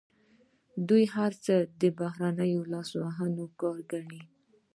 دوی هر څه د بهرنیو لاسونو کار ګڼي.